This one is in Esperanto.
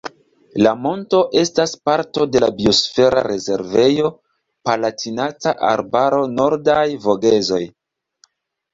La monto estas parto de la Biosfera rezervejo Palatinata Arbaro-Nordaj Vogezoj.